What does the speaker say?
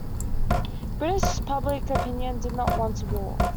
British public opinion did not want a war.